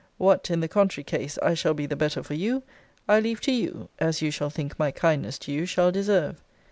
What, in the contrary case, I shall be the better for you, I leave to you, as you shall think my kindness to you shall deserve.